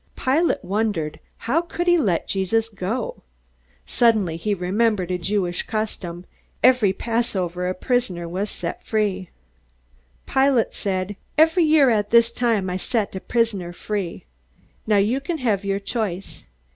Pilate wondered how he could let Jesus go. Suddenly he remembered a Jewish custom: every Passover a prisoner was set free. Pilate said: "Every year at this time I set a prisoner free. Now you can have your choice.